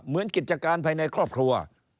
เหมือนกิจการภายในครอบครัว